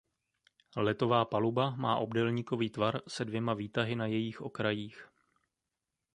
Letová paluba má obdélníkový tvar se dvěma výtahy na jejích okrajích.